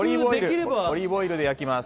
オリーブオイルで焼いております。